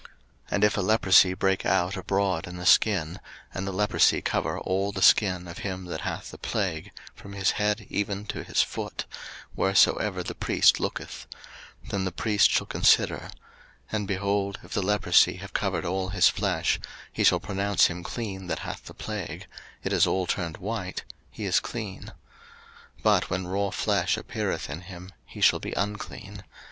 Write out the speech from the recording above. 03:013:012 And if a leprosy break out abroad in the skin, and the leprosy cover all the skin of him that hath the plague from his head even to his foot, wheresoever the priest looketh; 03:013:013 Then the priest shall consider: and, behold, if the leprosy have covered all his flesh, he shall pronounce him clean that hath the plague: it is all turned white: he is clean. 03:013:014 But when raw flesh appeareth in him, he shall be unclean.